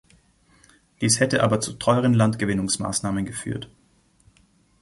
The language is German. Dies hätte aber zu teuren Landgewinnungsmaßnahmen geführt.